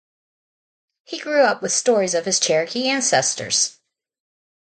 He grew up with stories of his Cherokee ancestors.